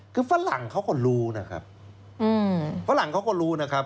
คือฝรั่งเขาก็รู้นะครับ